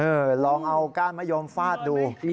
ลองเอาก้านมะยมฟาดดู